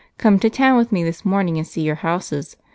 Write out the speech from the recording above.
Come to town with me this morning and see your houses.